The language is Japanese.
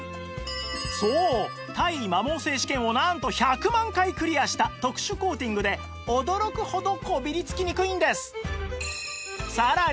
そう耐摩耗性試験をなんと１００万回クリアした特殊コーティングで驚くほどこびりつきにくいんです